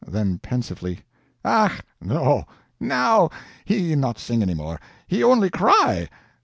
[Then pensively.] "ACH, no, NOW he not sing any more, he only cry.